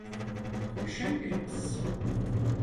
Düşün biraz.